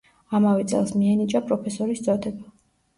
ამავე წელს მიენიჭა პროფესორის წოდება.